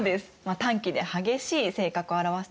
短気で激しい性格を表していて。